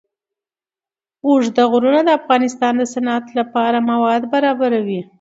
اوږده غرونه د افغانستان د صنعت لپاره مواد برابروي.